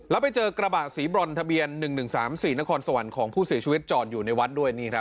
แล้วไปเจอกระบะสีบรอนทะเบียน๑๑๓๔นครสวรรค์ของผู้เสียชีวิตจอดอยู่ในวัดด้วย